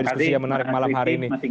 diskusi yang menarik malam hari ini